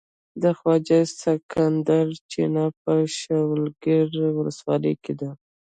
د خواجه سکندر چينه په شولګرې ولسوالۍ کې ده.